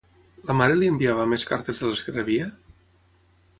La mare li enviava més cartes de les que rebia?